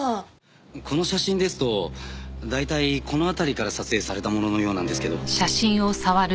この写真ですと大体この辺りから撮影されたもののようなんですけど。